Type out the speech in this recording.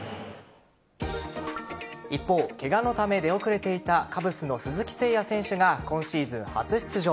一方、ケガのため出遅れていたカブスの鈴木誠也選手が今シーズン初出場。